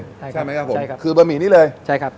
ใช่มั้ยครับผมคือบะหมี่นี้เลยใช่ครับ